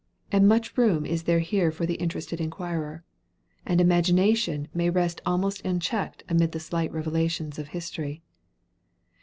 And much room is there here for the interested inquirer, and Imagination may rest almost unchecked amid the slight revelations of History.